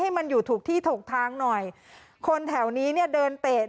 ให้มันอยู่ถูกที่ถูกทางหน่อยคนแถวนี้เนี่ยเดินเตะ